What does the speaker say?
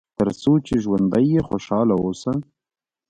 تر څو چې ژوندی یې خوشاله اوسه.